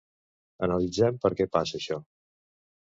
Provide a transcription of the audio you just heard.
Analitzem perquè passa això